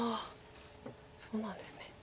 そうなんですね。